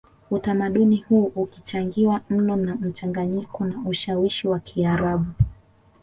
utamaduni huu ukichangiwa mno na mchanganyiko na ushawishi wa Kiarabu